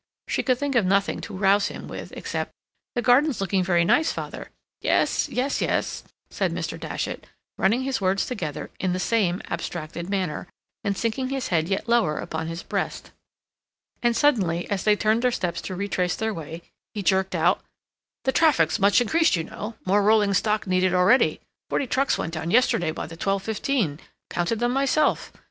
She could think of nothing to rouse him with except: "The garden's looking very nice, father." "Yes, yes, yes," said Mr. Datchet, running his words together in the same abstracted manner, and sinking his head yet lower upon his breast. And suddenly, as they turned their steps to retrace their way, he jerked out: "The traffic's very much increased, you know. More rolling stock needed already. Forty trucks went down yesterday by the 12.15—counted them myself.